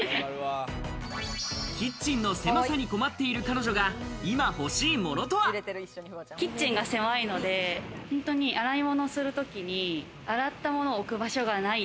キッチンの狭さに困っている彼女がキッチンが狭いので洗い物するときに洗った物を置く場所がない。